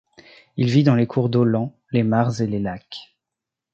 Il vit dans les cours d'eau lents, les mares et les lacs.